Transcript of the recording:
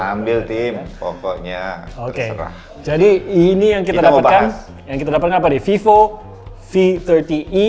ambil tim pokoknya oke jadi ini yang kita dapatkan yang kita dapatkan apa deh vivo v tiga puluh e